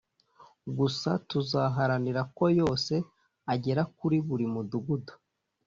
gusa tuzaharanira ko yose agera kuri buri mudugudu